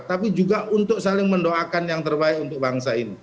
tapi juga untuk saling mendoakan yang terbaik untuk bangsa ini